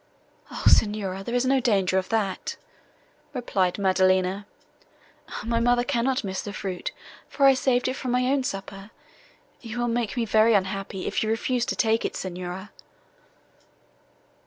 "O Signora! there is no danger of that," replied Maddelina, "my mother cannot miss the fruit, for I saved it from my own supper. You will make me very unhappy, if you refuse to take it, Signora."